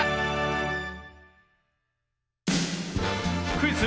クイズ